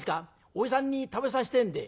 おじさんに食べさせてえんで」。